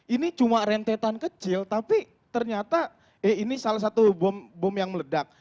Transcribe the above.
ini cuma rentetan kecil tapi ternyata ini salah satu bom yang meledak